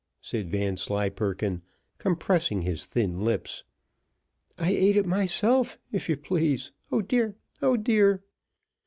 said Vanslyperken, compressing his thin lips. "I ate it myself if you please O dear O dear!"